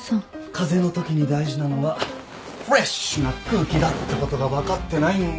風邪のときに大事なのはフレッシュな空気だってことが分かってないんだから。